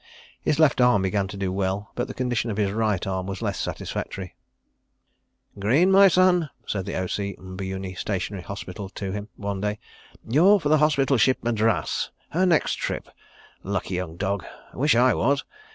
His left arm began to do well, but the condition of his right arm was less satisfactory. "Greene, my son," said the O.C. M'buyuni Stationary Hospital to him one day, "you're for the Hospital Ship Madras, her next trip. Lucky young dog. Wish I was.